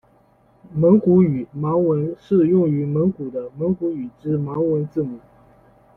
蒙古语盲文是用于蒙古的蒙古语之盲文字母。